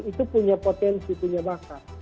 itu punya potensi punya bakar